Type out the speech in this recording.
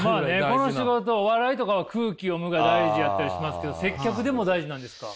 この仕事お笑いとかは空気読むが大事やったりしますけど接客でも大事なんですか？